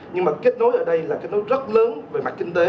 nhưng mà kết nối ở đây là kết nối rất lớn về mặt kinh tế